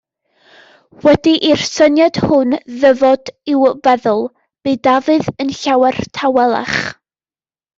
Wedi i'r syniad hwn ddyfod i'w feddwl, bu Dafydd yn llawer tawelach.